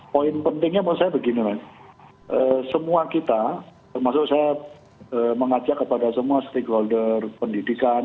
poin pentingnya menurut saya begini semua kita termasuk saya mengajak kepada semua stakeholder pendidikan